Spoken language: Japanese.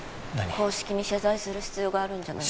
公式に謝罪する必要があるんじゃない？